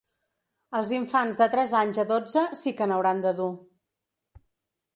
Els infants de tres anys a dotze sí que n’hauran de dur.